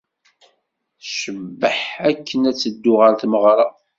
Tcebbeḥ akken ad teddu ɣer tmeɣra.